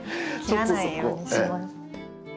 切らないようにします。